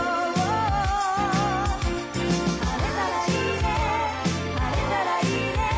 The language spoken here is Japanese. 「晴れたらいいね晴れたらいいね」